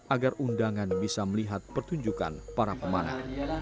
agar undangan bisa melihat pertunjukan para pemanah